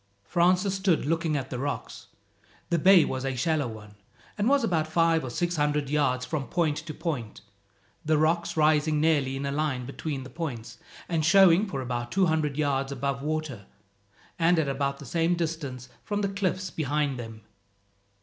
Francis stood looking at the rocks. The bay was a shallow one, and was but five or six hundred yards from point to point, the rocks rising nearly in a line between the points, and showing for about two hundred yards above water, and at about the same distance from the cliffs behind them.